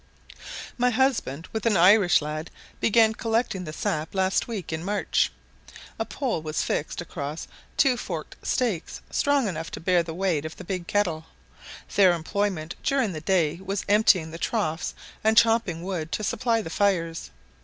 My husband, with an Irish lad, began collecting the sap the last week in March. A pole was fixed across two forked stakes, strong enough to bear the weight of the big kettle. Their employment during the day was emptying the troughs and chopping wood to supply the fires.